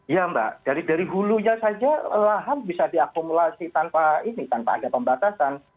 ya mbak dari hulunya saja lahan bisa diakumulasi tanpa ini tanpa ada pembatasan